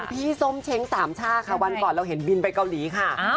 ส้มเช้งสามชาติค่ะวันก่อนเราเห็นบินไปเกาหลีค่ะ